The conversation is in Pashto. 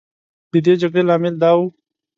د دې جګړې لامل دا و.